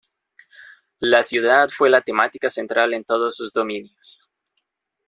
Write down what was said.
La ciudad fue la temática central en todos sus dominios.